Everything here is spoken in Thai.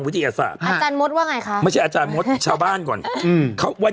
ที่จริงน่าจะมีแผนกนี้ก็ปลอบหน่อย